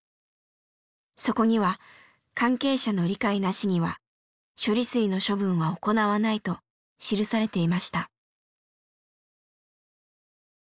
そこには「関係者の理解なしには処理水の処分は行わない」と記されていました。